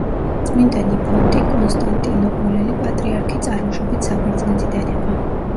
წმინდა ნიფონტი, კონსტანტინოპოლელი პატრიარქი წარმოშობით საბერძნეთიდან იყო.